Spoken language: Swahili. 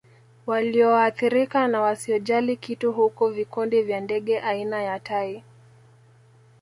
Walioathirika na wasiojali kitu huku vikundi vya ndege aina ya tai